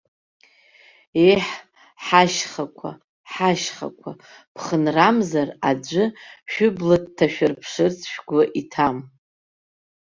Еҳ, ҳашьхақәа, ҳашьхақәа, ԥхынрамзар аӡәы шәыбла дҭашәырԥшырц шәгәы иҭам!